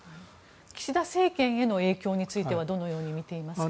岸田政権への影響についてはどう見ていますか？